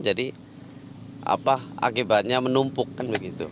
jadi apa akibatnya menumpukkan begitu